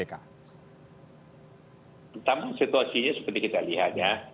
pertama situasinya seperti kita lihatnya